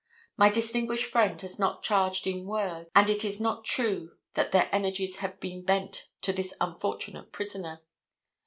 My distinguished friend has not charged in words, and it is not true that their energies have been bent to this unfortunate prisoner.